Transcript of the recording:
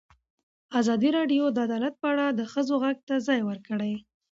ازادي راډیو د عدالت په اړه د ښځو غږ ته ځای ورکړی.